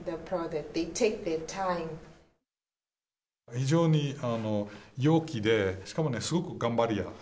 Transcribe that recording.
非常に陽気で、しかもね、すごく頑張り屋。